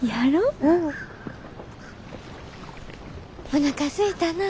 おなかすいたな。